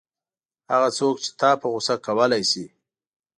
هغه څوک چې تا په غوسه کولای شي.